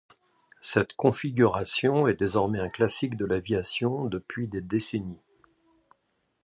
Cette configuration est désormais un classique de l'aviation depuis des décennies.